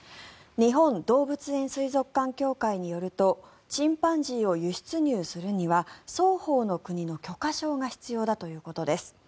日本動物園水族館協会によるとチンパンジーを輸出入するには双方の国の許可証が必要だということです。